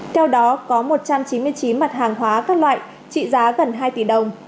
theo đó có một trăm chín mươi chín mặt hàng hóa các loại trị giá gần hai tỷ đồng